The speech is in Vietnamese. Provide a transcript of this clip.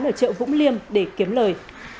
ở chợ vũng liêm để kiếm lời